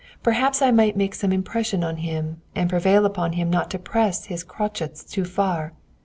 Perhaps I might make some impression on him, and prevail upon him not to press his crotchets too far.